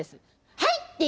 はい。